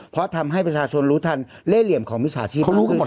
เพราะทำให้ประชาชนรู้ทันเล่เหลี่ยมของมิจฉาชีพมากขึ้น